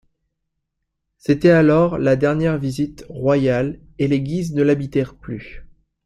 C'était alors la dernière visite royale et les Guise ne l'habitèrent plus.